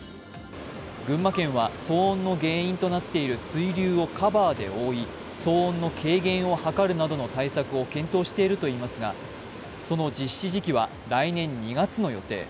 群馬県は騒音の原因となっている水流をカバーで覆い騒音の軽減を図るなどの対策を検討しているといいますが、その実施時期は来年２月の予定。